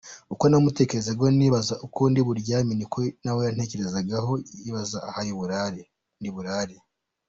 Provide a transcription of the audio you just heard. Uko namutekerezagaho, nibaza uko ndiburyame, niko nawe yantekereza ahangayikishijwe naho ndiburare.